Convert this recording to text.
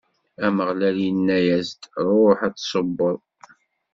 Ameɣlal inna-as-d: Ṛuḥ ad tṣubbeḍ!